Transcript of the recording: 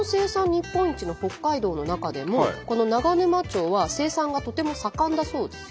日本一の北海道の中でもこの長沼町は生産がとても盛んだそうです。